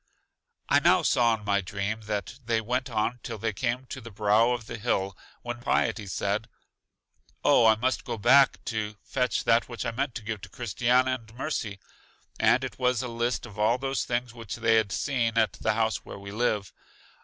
I now saw in my dream that they went on till they came to the brow of the hill, when Piety said: O, I must go back to fetch that which I meant to give to Christiana and Mercy, and it was a list of all those things which they had seen at the house where we live.